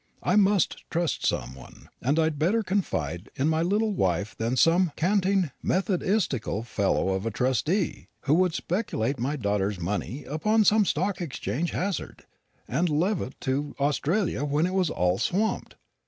I must trust some one, and I'd better confide in my little wife than in some canting methodistical fellow of a trustee, who would speculate my daughter's money upon some Stock Exchange hazard, and levant to Australia when it was all swamped.